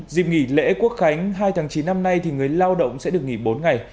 dịp nghỉ lễ quốc khánh hai tháng chín năm nay thì người lao động sẽ được nghỉ bốn ngày